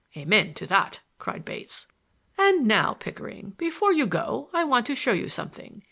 "Amen to that!" cried Bates. "And now, Pickering, before you go I want to show you something.